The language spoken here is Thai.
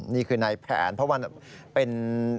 นี่คือในแผนเพราะว่าเป็น